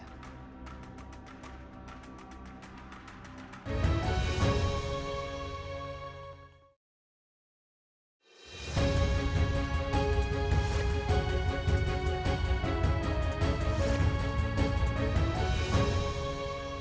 kami berhasil mengapasi gambaran raya yang menurun di kawasan kecil